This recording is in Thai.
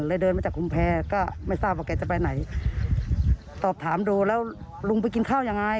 เดินมาจากกุมแพรก็ไม่ทราบว่าแกจะไปไหนสอบถามดูแล้วลุงไปกินข้าวยังไง